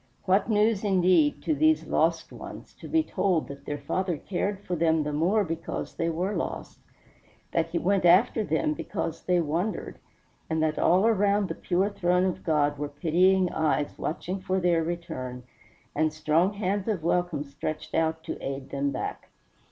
What news indeed, to these lost ones, to be told that their Father cared for them the more because they were lost; that he went after them because they wandered; and that all around the pure throne of God were pitying eyes watching for their return, and strong hands of welcome stretched out to aid them back.